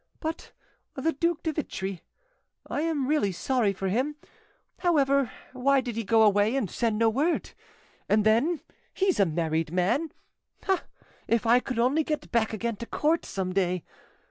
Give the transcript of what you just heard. But the Duc de Vitry? I am really sorry for him. However, why did he go away, and send no word? And then, he's a married man. Ah! if I could only get back again to court some day!...